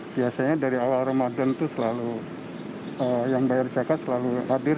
biasanya dari awal ramadan itu selalu yang bayar zakat selalu hadir